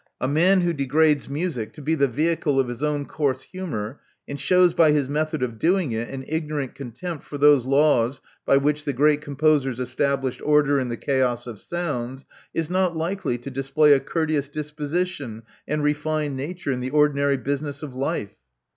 A man who degrades music to be the vehicle of his own coarse humor, and shows by his method of doing it an ignorant contempt for those laws by which the great composers established order in* the chaos of sounds, is not likely to display a courteous disposition and refined nature in the ordinary business of life."